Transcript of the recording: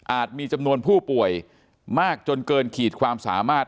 มีจำนวนผู้ป่วยมากจนเกินขีดความสามารถ